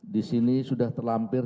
disini sudah terlampir